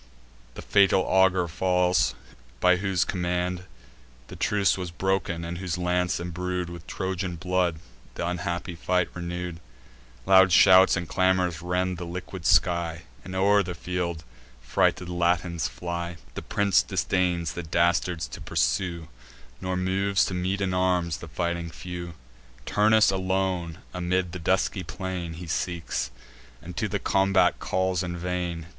The fatal augur falls, by whose command The truce was broken, and whose lance, embrued With Trojan blood, th' unhappy fight renew'd. Loud shouts and clamours rend the liquid sky, And o'er the field the frighted Latins fly. The prince disdains the dastards to pursue, Nor moves to meet in arms the fighting few; Turnus alone, amid the dusky plain, He seeks, and to the combat calls in vain.